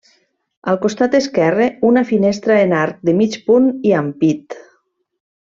Al costat esquerre, una finestra en arc de mig punt i ampit.